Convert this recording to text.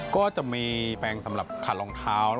ก็จะมีแปลงสำหรับขัดรองเท้า